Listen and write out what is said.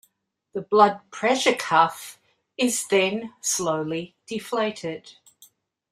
The blood pressure cuff is then slowly deflated.